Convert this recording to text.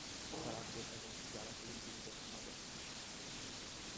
তাঁর আত্মীয়স্বজন, যারা তিনি জীবিত থাকা অবস্থায় বিশেষ পাত্তা পায় নি।